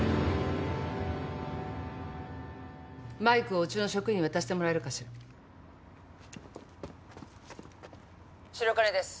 マイクをうちの職員に渡してもらえるかしら白金です